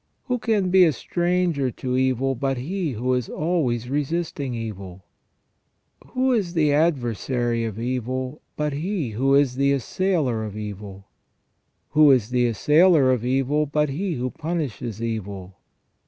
Who can be a stranger to evil but He who is always resisting evil ? Who is the adversary of evil but He who is the assailer of evil ? Who is the assailer of evil but He who punishes evil